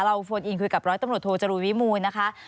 โฟนอินคุยกับร้อยตำรวจโทจรูลวิมูลนะคะ